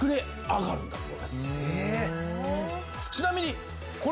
ちなみに。